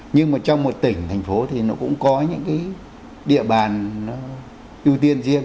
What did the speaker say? nhưng mà trong một tỉnh thành phố thì nó cũng có những cái địa bàn nó ưu tiên riêng